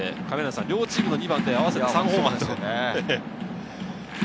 両チームの２番で合わせて３ホーマーです。